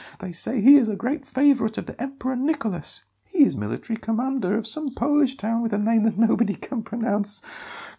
They say he is a great favourite of the Emperor Nicholas. He is military commander of some Polish town with a name that nobody can pronounce.